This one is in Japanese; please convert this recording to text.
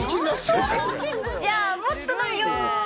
じゃあもっと飲むよー！